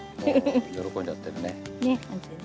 喜んじゃってるね。